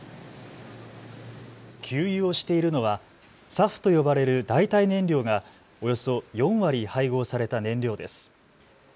給油をしているのはＳＡＦと呼ばれる代替燃料がおよそ４割配合された燃料です。